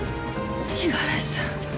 五十嵐さん。